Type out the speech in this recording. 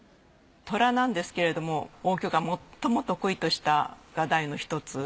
虎なんですけれども応挙が最も得意とした画題の１つ。